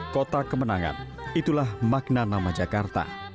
kota kemenangan itulah makna nama jakarta